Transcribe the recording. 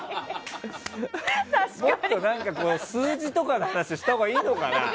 もっと数字とかの話をしたほうがいいのかな？